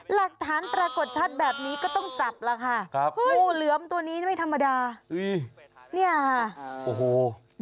หลักฐานปรากฏชัดแบบนี้ก็ต้องจับแล้วค่ะครับงูเหลือมตัวนี้ไม่ธรรมดาอุ้ยเนี่ยค่ะโอ้โห